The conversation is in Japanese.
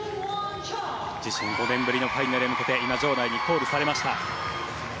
自身５年ぶりのファイナルへ向けて今、場内にコールされました。